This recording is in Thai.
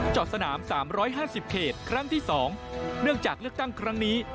จอดสนามสามร้อยห้าสิบเขตครั้งที่สองเนื่องจากเลือกตั้งครั้งนี้